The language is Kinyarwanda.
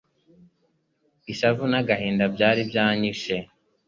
ishavu n’agahinda byari byanyishe